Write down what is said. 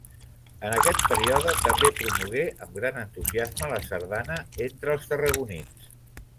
En aquest període, també promogué amb gran entusiasme la sardana entre els tarragonins.